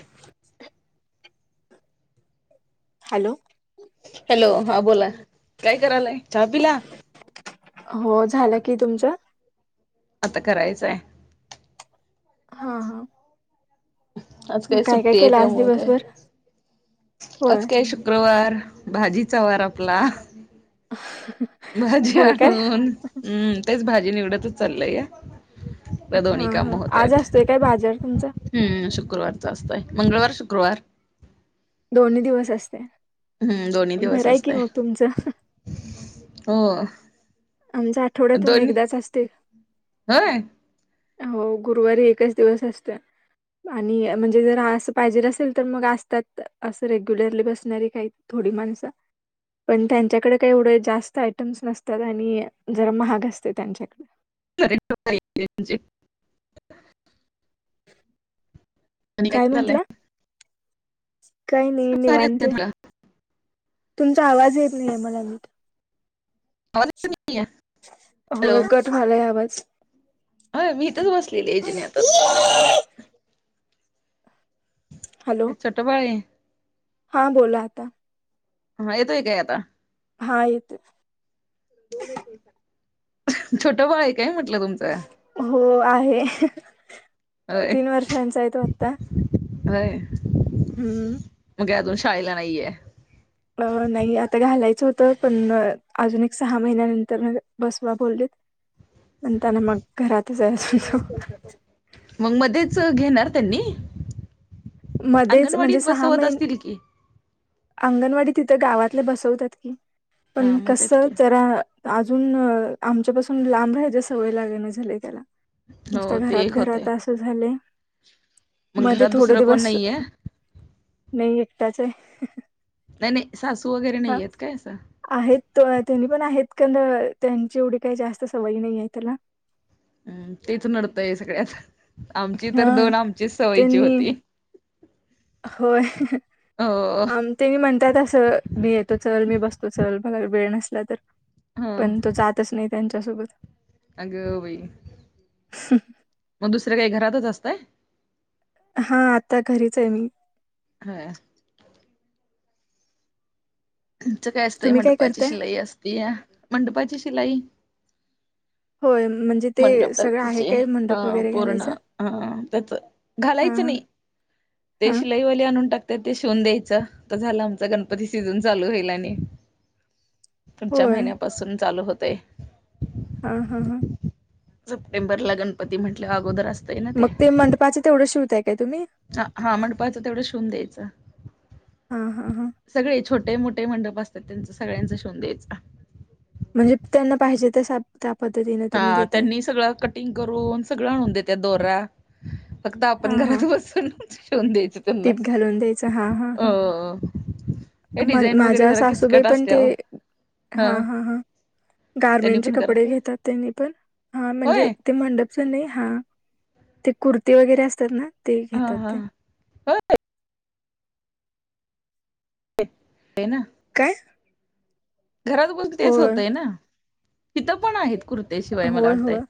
उफ्फ अहह. Hello. Hello हा बोला काय करायलाय चहा पिला. हो झालं की तुमचं? आता करायचंय. हा हा. आज मग काय सुट्टी आहे केलं आज त्यामुळ काय दिवसभर? होय आज काय सु शुक्रवार भाजीचा वार आपला अ हह हह. भाजी आणून हम्म तेच भाजी निवडतच चाललय या. हा त्या दोन्ही काम हा आज होत्यात. असतोय काय बाजार तुमचा? हम्म शुक्रवारच असतय मंगळवार शुक्रवार. दोन्ही दिवस असतय. हम्म दोन्ही दिवस असतय, हो. आमच आठवड्यातून दोन्ही एकदाच असतय. होय हो गुरुवारी एकच दिवस असतय. आणि म्हणजे जर हा असं पाहिजे असेल तर मग असतात, असं रेग्युलरली बसणारी काही थोडी माणसं, पण त्यांच्याकड काय एवढ जास्त आयटम्स नसतात आणि मी, जरा महाग असतय त्यांच्याकडे. [unintelligible] काय म्हंटला? काही नाही भारी निवांत, असते तुला तुमचा आवाज येत नाही मला अजून. आवाज येत नाहीये. होय कट व्हायलाय आवाज. ह मी इथच बसलेली जिन्यातच. हॅलो ऐ चटोबाळे. हा बोला आता. हा येतोय काय आता? हा येतोय. छोटा बाळ आहे काय म्हटलं तुमचं? हो आहे, होय तीन वर्षांचा आहेे तो आता. होय. हम्म.... मग काय अजून शाळेला नाहीये. अ नाही आता घालायचं होतं पण, अजून एक सहा महिन्यानंतर बसवा बोललीत. म्हणताना मग. अजून तो. मग मध्येच घेणार त्यांनी मध्येच म्हणजे अंगणवाडीत सहा बसवत महिने असतील की अंगणवाडी तिथं गावातले बसवतात की. हा पन मग तेच कसं की जरा अजून अ आमच्यापासून लांब राहायची सवय लागना झाल्या त्याला नुसता हो ते घरात एक होतय घरात अस झालय मग मध्ये घरात थोडे दुसरं कोण दिवस नाहीये नाही एकटाच आहे. नाही-नाही, सासू वगैरे नाहीयेत काय असं? आहेतं त्यांनी पणं आहेतं कोणं त्यांची एवढी कांहीं जास्तं सवयी नाहीं आहे त्यांला हं तेच नडतंय सगळ्यात. आमची तर हा दोन आमचीच सवयीची त्यांनी होती. होय. हो. आम त्यांनी म्हणतात असं मी येतो चल मी बसतो चल बघा वेळ नसला तर. हा पण तो जातच नाही त्यांच्यासोबत. अगं बाई, मग दुसरे काय घरातच असताय? हा, आता घरीच आहे मी. होय तुमचं काय असतंय तुम्ही मंडपाची करताय शिलाई असतीया. मंडपाची शिलाई होय म्हण मंडप टाकीचे हा पूर्ण घालायचं हा त्याच हा घालायचं हा नाही ते हा शिलाईवाले आणून टाकतात ते शिवून द्यायचं आता झालं. आमचा गणपती सिझन चालू होईल आणि. पुुढच्या होय महिन्यापासून चालू होतंय हा हा हा सप्टेंबरला गणपती म्हटल्या वर अगोदर असतंय ना मंग ते मंडपाच तेवढं शिवतंय कायं तुम्हीं हा मंडपाच तेवढं शिवून द्यायचं हा-हा-हा. सगळे छोटे, मोठे मंडप असतात. त्यांच सगळ्यांचा शिवून द्यायचं. म्हणजे त्यांना पाहिजे तसं आप त्या पद्धतीने तुम्ही देताय सगळा कट घरून सगळं आणून देतात दोरा फक्त आपण घरात बसून शीवून द्यायचं त्यांना. टिप घालून द्यायचं. हा हा हा, अ हे म डिझाईन वगैरे माझ्या जरा सासूबाई किचकट पण ते असल्यावर हा, हा, हा, त्यांनी गारमेंटचे पण करत कपडे का घेतात त्यानी पण, हा होय म्हणजे, ते मंडपच नाही. हा, ते कुर्ती वगैरे असतात ना. ते हा घेतात हा हा, ते तिथं होते? आहे ना. काय? घरात बसून तेच होय होतय ना तिथं पण आहेत कुर्ते शिवाय मला होय वाटतंय होय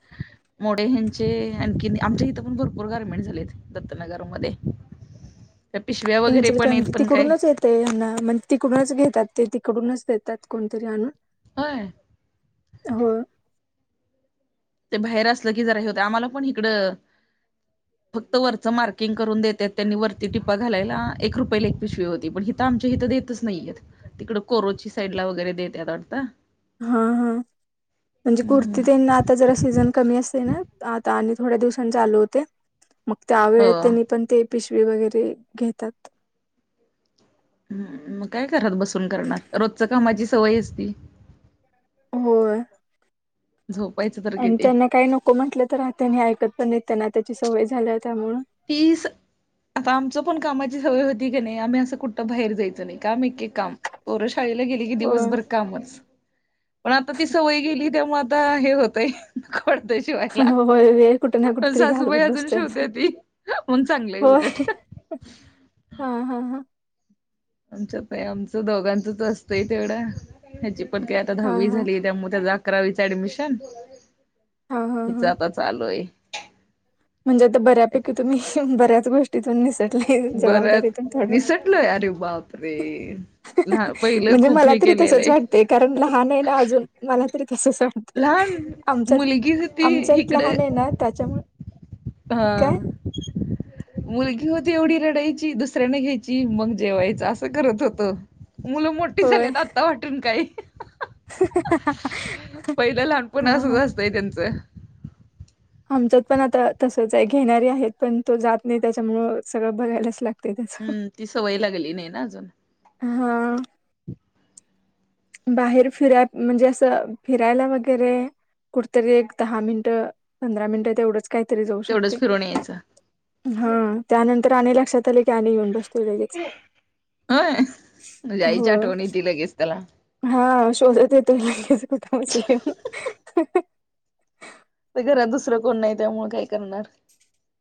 मोडे हेचे आणखीन आमच्या इथं पण भरपूर गारमेंट झालेत दत्तनगरमधे. त्या पिशव्या वगैरे पण येत पण काय ते ह्यांना म्हणजे तिकडूनच घेतात ते तिकडूनच देतात कोणतरी आणून. होय. हो. ते बाहेर असलं की जरा हे होत आम्हाला पण इकडं फक्त वरचं मार्किंग करून देत्यात. त्यांनी वरती टिपा घालायला एक रुपयाला एक पिशवी होती, पण आमच्या इथ देतच नाहीयेत. तिकड कोरोची साईड ला वगैरे देतात वाटतं. हा-हा, म्हणजे कुर्ती हम्म त्यांना आता जरा सीझन कमी असते ना, आता. आणि थोड्या दिवसांनी चालु होते. मग त्या वेळेत हो त्यांनी पण ते पिशवी वगैरे घेतात. हम्म मग काय करत बसून करणार रोजचं कामाची सवय असती. होय. झोपायचं त आणि त्यांना काही नको म्हंटलं तर त्यांनी ऐकत पण नाही त्यांना त्याची सवय झाल्या त्यामुळ. तीस. आता आमचं पण कामाची सवय होती की नाही आम्ही असं कुठं बाहेर जायचं नाही काम एकके काम. पोर शाळेला गे गेली की होय दिवसभर कामच, पण आता ती सवय गेली त्यामुळे आता हे होतंय. परदेश [unintelligible] होय वेळ कुठ ना कुठ तरी घालवत अजून बसतोय शिवत्या आपण. ती. मग चांगलंय उलट. होय, हा हा हा. आमचं काय आमचं दोघांचंच असतंय तेवढा, ह्याची पण काय आता हा दहावी हा झाली त्यामुळे त्याज अकरावीच ऍडमिशन, हा हा हा जाताच चालूये. म्हणजे आता बऱ्यापैकी तुम्ही बऱ्याच गोष् टी तून निसटलय बरंच जबाबदारीतून थोड्या. निसटलोय अरे बापरे. लहा पहिलं म्हणजे खूप मला हे तरी केलेलं तसच आहे. वाटतय कारण लहान आहे ना अजून मला तरी तसच वाट लहान आमच्यात, मुलगी होती आमच्यात इकडे लहान आहे ना त्याच्यामूळ हा. मुलगी होती एवढी रडायची दुसऱ्याने घ्यायची मग जेवायच असं करत होत. मुलं मोठी होय झालीत आता वाटून काय? पहिलं लहानपण हा असच हा असतंय त्यांचं. आमच्यात पण आता तसच आहे घेणारे आहेत पण तो जात नाही त्याच्यामुळ सगळं बघायलाच लाग हम्, ती सवयी लागली नाही ना अजून. हा. बाहेर फिराय म्हणजे असं फिरायला वगैरे कुठतरी एक दहा मिनिटं पंधरा मिनटं तेवढंच काहीतरी जाऊ शकते. तेवढंच फिरून यायचं हा त्यानंतर आणि लक्षात आल की आणि येऊन बस होय [unintelligible] आईच्या हो आठवण येती लगेच त्याला. हा शोधत येतोय लगेच कुठं बसल्या [unintelligible] घरात दुसरं कोण नाही त्यामुळे काय करणार?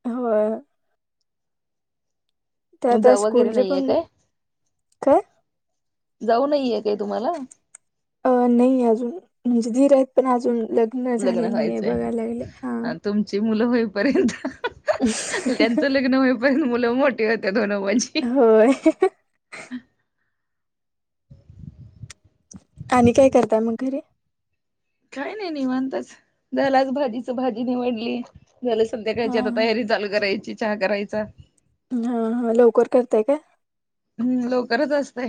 व्हय. ते आता जाऊ वगैरे स्कूलचे नाहीये पण काय काय जाऊ नाहीये काय तुम्हाला? अ नाही आजून म्हणजे दीर आहेत पण अजून लग लग्न व्हायचं हाय तुमची मुलं होईपर्यंत हा त्यांचं लग्न होईपयंत मुलं मोठी होत्यात म्हणाव माझी. व्हय. आणि काय करताय मगं घरी? काही नाही निवांतचं, झाल आज भाजीच भाजी निवडली झालं हा संध्याकाळची आता हा तयारी चालू करायची, चहा करायचा, हा हा लवकर करताय काय? हम्म लवकरच आसतय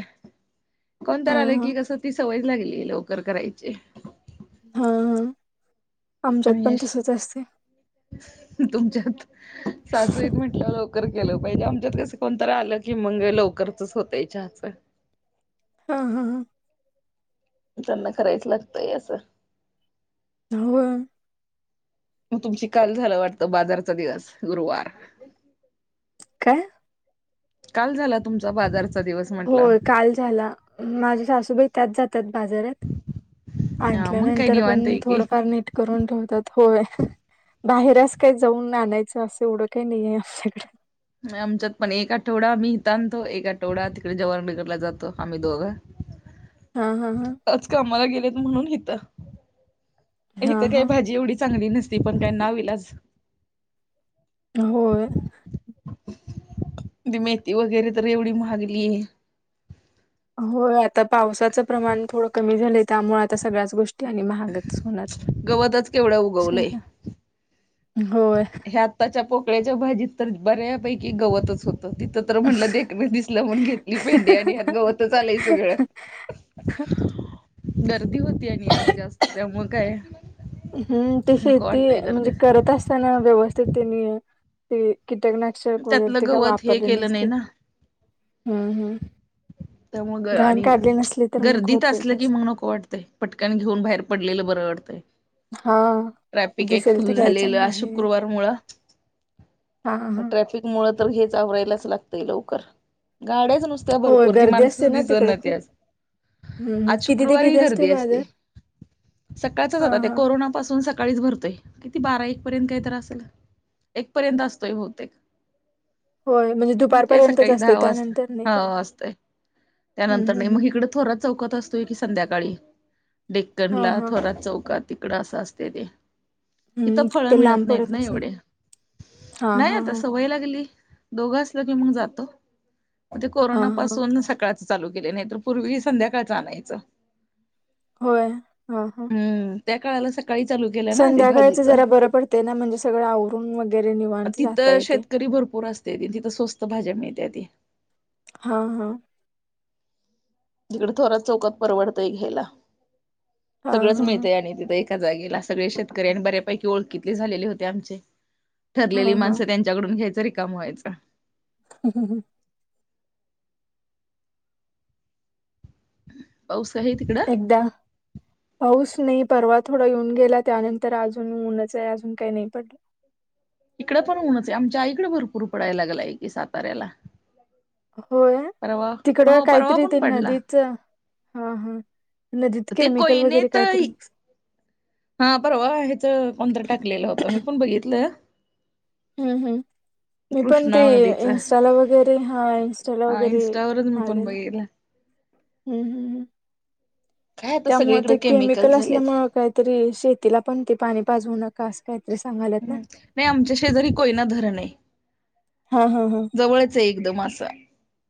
कोण हा तर आल हा की कसं ती स सवय लागली हे लवकर करायची. हा ह आमच्यात आणि पण यश तसचं असतय. तुमच्यात सासू आहेत म्हटल्या वर लव कर केलं पाहिजे आमच्यात कसं कोणतर आलं की मंग लवकरचचं होतय चहाच. हा, हा, हा. त्यांना करायचं लागतंय आसं. होय म तुमची काल झालं वाटत बाजारचा दिवस गुरुवार. काय? काल झाला तुमचा बाजारचा दिवस. म्हटलं होय काल झाला. माझी सासूबाई त्याच जात्यात बाजारात. हा मग काही आणल्यानंतर निवांत पण आहे की थोडंफार नीट करून ठेवतात होय. बाहेर आसं काही जाऊन आणायचं आसं एवढं काही नाहीये आमाच्याकड. आमच्यात पण एक आठवडा आम्ही इथं आणतो एका आठवडा तिकड जवाहरनगरला जातो आम्ही दोघं. [inaudible] हा, हा, हा. आज कामाला गेलेत म्हणून हिथं हिथं हा काही हा भाजी एवढी चांगली नस ती पण काय नाविलाज. होय. दि मेथी वगैरे तर एवढी महागलीये होय आता पावसाचं प्रमाण थोडं कमी झालंय त्यामुळे आता सगळ्याच गो ष्टी आणि महागच होणार गवतच केवढं उगवलंय शेता होय. ह्या आताच्या पोकळ्याच्या भाजीत तर बऱ्यापैकी गवतच होतं. तिथं तर म्हणलं देखणं दिसलं म्हणून घेतली पेंडी आणि ह्यात गव तचं आलय सगळं. गर्दी होती आणि आज जास्त त्यामुळ काय हम्म ते नको शेती वाटतंय म्हणजे गर्दीत करत असताना व्यवस्थित त्यांनी ते कीटकना शक वगैरे त्यातलं ते का गवत हे वापरले केलं नाही नसते, ना हुं हुं. त्यामुळं ग आणि तर मग गर्दीत होते आसलं की तस मग नको वाटतय. पटकन घेऊन बाहेर पडलेलं बरं वाटतंय. हा ट्रॅफिक एक दिसेल ते फुल घ्यायचं झालेलं आणि आज बाहेर यायचं. शुक्रवारमूळ. हा, हा. मुळ तर हेच आवरायलाच लागतय लवकर, गाड्याच नुसत्या होय भरपूर पूर गर्दी असते माणसच ना तिकडं दिसना खूप त्यात हम्म आज किती ते शुक्रवारी ही किती गर्दी असते. बाजार सकाळचच हा आता ते हा कोरोनापासून सक सकाळीच भरतोय किती बारा, एक पर्यंत काही तर असल, एक पर्यंत असतोय बहुतेक. होय म्हणजे हम्म काय दुपारपर्यंतच सकाळी असते दहा वाजता, त्यानंतर नाही हा काय वाजतय. हम्म त्यानंतर नाही, हम्म मग हम्म. हिकड थोरात चौकात असतोय की संध्याकाळी हा डेक्कनला, हा थोरात चौकात. तिकड अस असते ते. इथं हम्म फळ ते मिळत लांब नाहीत पडत ना असं एवढे हा नाही हा आता हा सवय लागली. दोघं असलं की मग जातो, म ते हा हा कोरोनापासून न सकाळचं चालू केलय, नाही तर पूर्वी संध्याकाळचं आणायचं. होय, ह- ह. हम्म त्या काळाला स काळी चालू केलं. ना ते संध्याकाळचं भाजीच जरा बरं पडतय ना म्हणजे सगळं आवरून वगैरे निवांत जाता येतय. गरी भरपूर असत्याती तिथं स्वस्त भाज्या मिळत्याती. हां -हां. हिकड थोरात चौकात परवडतय घ्यायला, हां सगळंच हां मिळतय आणि तिथं एक एकाजागीला सगळे शेतकरी अन बऱ्यापैकी ओळखितले झालेले होते आमचे ठरलेली हां हां. माणस त्यां च्यांडून घ्यायचा रिकाम व्हायच. ह ह ह [inaudible] पाऊस आहे तिकड? कद्दा [unintelligible] पाऊस नाही परवा थोडा येऊन गेला, त्यानंतर अजून ऊनच आहे अजून काही नाही पडला. इकडं पण ऊणच हाय, आमच्या आईकड भरपूर पडायला लागलाय की साताऱ्याला. होय? परवा तिकड हो परवा काहीतरी पण ते पडला नदीच हा -हा. नदीत ते केमिकल वगैरे कोयनेत काय तरी मग स हा परवा हेच कोणतर टाकलेलं होतं मी पण बघितलं. हम्म- हम्म. मी पण ते कृष्णा नदीच इन्स्टाला वगैरे हा इन्स्टाला हा वगैरे इन्स्टावरच मी पण आलेलं. बघितलं हम्म -हम्म -हम्म काय आता त्यामुळ सगळीकडे ते केमिकल झालेत असल्यामुळ काहीतरी शेतीला पण ते पाणी पाजवू नका असं काहीतरी सांगाय हम्म नाही, आमच्या शेजारी कोयना धरण हे. हा -हा- हा जवळचये एकदम असं.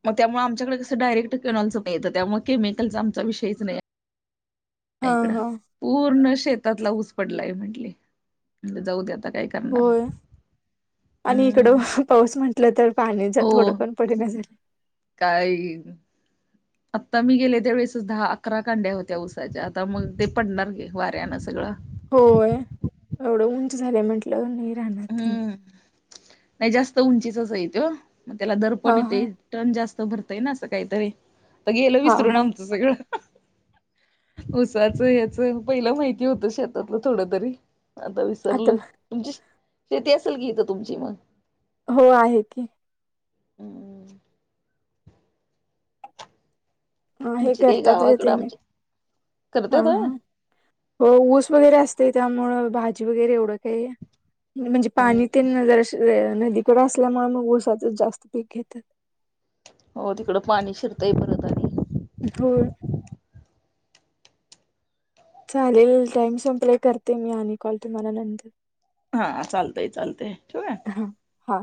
मग त्यामुळे आमच्याकडे कस डायरेक्ट कनॉलचं पे येत त्यामुळ केमिकलचा आमचा विषयच नाही आय नाय हा इकड हा पूर्ण शेतातला ऊस पडलाय म्हटली, म्हणटल जाऊ दे आता काय करणार होय आणि इकड हम्म पाऊस म्हटलं तर पाण्याच थोडं पण पडना झालय. काइन [unintelligible] आत्ता मी गेले त्या वेळेसच दहा, अकरा कांड्या होत्या ऊसाच्या, आता मग ते पडणार गे वाऱ्यानं सगळं. होय, एवढं उंच झालंय म्हंटल्याव नाही राहणार तेनी. हम्म नाही जास्त उंचीचाच हाय तो, मग त्याला दर पण हा हा येतेय टन जास्त भरतय ना असं काहीतरी, आता गेलं हा विसरून हा आमचं सगळं. [inaudible] ऊसाचं हेच पहिला माहिती होत शेतातलं थोड तरी आता विस सरल तुमची श -शेती असल की इथं तुमची मग? हो आहे की. हम्म... आहे, आमची काही करतात ग गावाकडं तेनी आमच्या करत्यात हा- होय? हा. हो, ऊस वगैरे असतय त्यामुळं भाजी वगैरे एवढं काही म्हणजे पाणी ते हम्म. न जर- नदीकडे असल्यामुळे मग ऊसाचच जास्त पीक घेत्यात. हो तिकडं पाणी शिरताय परत आणि. धूर चालेल टाइम संप्लाय करते मी आणि कॉल तुम्हाला नंतर. हा चालतय चालतय आहे. ह हा